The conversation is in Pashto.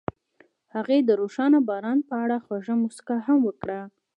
هغې د روښانه باران په اړه خوږه موسکا هم وکړه.